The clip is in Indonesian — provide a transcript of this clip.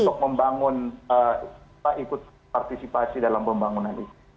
untuk membangun ikut partisipasi dalam pembangunan ini